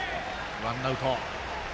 ワンアウト。